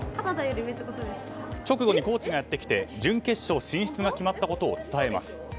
直後にコーチがやってきて準決勝進出が決まったことを伝えます。